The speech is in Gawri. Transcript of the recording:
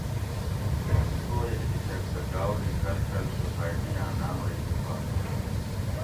سویہ اتفیق سہ گاؤری کلچرل سوسائٹی آں ناۤم رہ اتفاق کیر